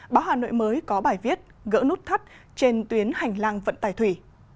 báo hà nội mới có bài viết gỡ nút thắt trên tuyến hành lang vận tài thủy